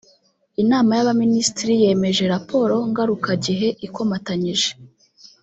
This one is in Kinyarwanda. Inama y’Abaminisitiri yemeje Raporo Ngarukagihe ikomatanyije